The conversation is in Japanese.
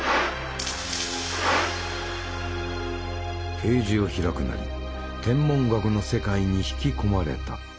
ページを開くなり天文学の世界に引き込まれた。